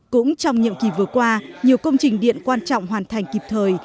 cũng trong nhiệm kỳ vừa qua nhiều công trình điện quan trọng hoàn thành kịp thời